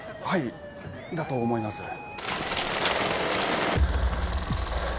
はいだと思います。